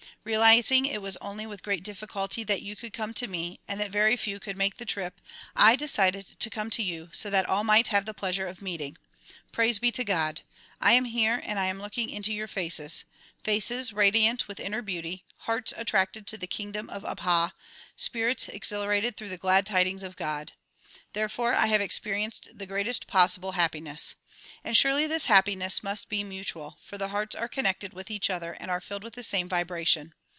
Realizing it was only with great diffi culty that you could come to me and that very few could make the trip, I decided to come to you so that all might have the pleasure of meeting. Praise be to God ! I am here and I am looking into your faces ; faces radiant with inner beauty ; hearts attracted to the kingdom of Abha; spirits exhilarated through the glad tidings of God. Therefore I have experienced the greatest possible hap piness. And surely this happiness must be mutual, for the hearts are connected with each other and are filled with the same vibra tion.